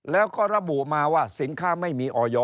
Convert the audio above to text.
แล้วก็ระบุมาว่าสินค้าไม่มีออย